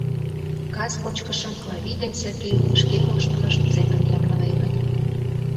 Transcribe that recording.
Кас кочкышым Клави ден Сергей шке моштымышт семын ямдыленыт.